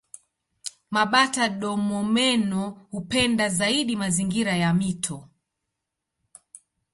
Mabata-domomeno hupenda zaidi mazingira ya mito.